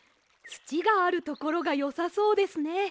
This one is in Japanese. つちがあるところがよさそうですね。